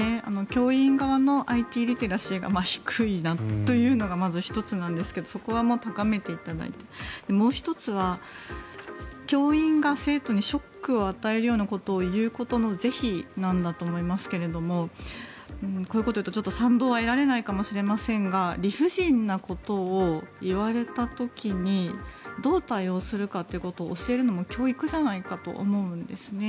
教員側のＩＴリテラシーが低いというのがまず１つなんですがそこは高めていただいてもう１つは教員が生徒にショックを与えるようなことを言うことの是非なんだと思いますがこういうことを言うと賛同は得られないかもしれませんが理不尽なことを言われた時にどう対応するかっていうことを教えるのも教育じゃないかと思うんですよね。